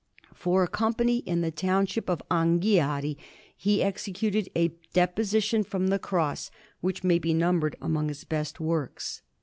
For a Company in the township of Anghiari he executed a Deposition from the Cross, which may be numbered among his best works.